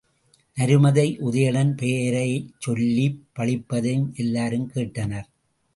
நருமதை உதயணன் பெயரைச் சொல்லிப் பழிப்பதையும் எல்லாரும் கேட்டனர்.